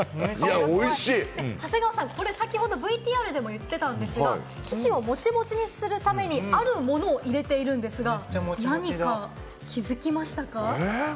長谷川さん、これ先ほどＶＴＲでも言ってたんですが、生地をモチモチにするためにあるものを入れているんですが、何か気付きましたか？